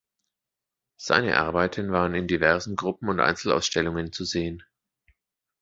Seine Arbeiten waren in diversen Gruppen- und Einzelausstellungen zu sehen.